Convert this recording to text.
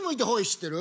知ってる！